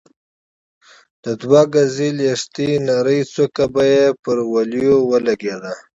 د دوه ګزۍ لښتې نرۍ څوکه به يې پر وليو ولګېده.